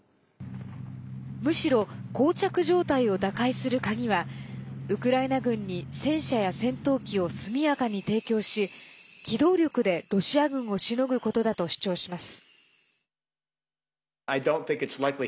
むしろ、こう着状態を打開する鍵はウクライナ軍に戦車や戦闘機を速やかに提供し機動力でロシア軍をしのぐことだと主張します。